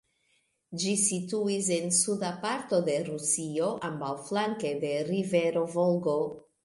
Ĝi situis en suda parto de Rusio ambaŭflanke de rivero Volgo.